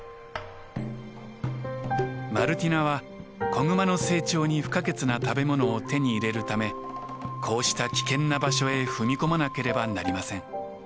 マルティナは子グマの成長に不可欠な食べ物を手に入れるためこうした危険な場所へ踏み込まなければなりません。